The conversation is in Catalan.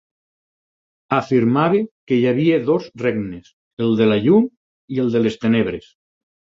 Afirmava que hi havia dos regnes, el de la Llum i el de les Tenebres.